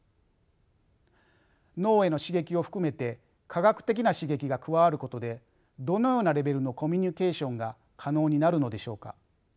脳への刺激を含めて化学的な刺激が加わることでどのようなレベルのコミュケーションが可能になるのでしょうか？